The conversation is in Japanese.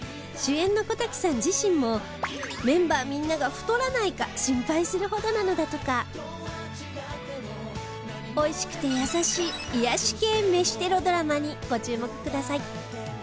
主演の小瀧さん自身もメンバーみんなが太らないか心配するほどなのだとか。おいしくて優しい癒やし系飯テロドラマにご注目ください。